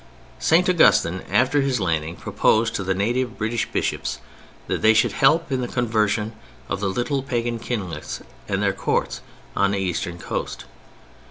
St. Augustine, after his landing, proposed to the native British bishops that they should help in the conversion of the little pagan kinglets and their courts on the eastern coast.